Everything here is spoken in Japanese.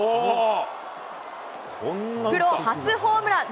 プロ初ホームラン。